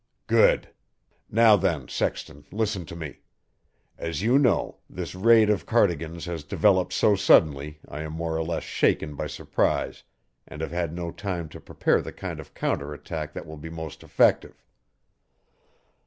"Good! Now, then, Sexton, listen to me: As you know, this raid of Cardigan's has developed so suddenly I am more or less taken by surprise and have had no time to prepare the kind of counter attack that will be most effective.